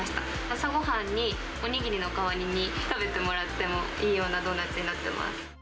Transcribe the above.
朝ごはんにお握りの代わりに食べてもらってもいいようなドーナツになってます。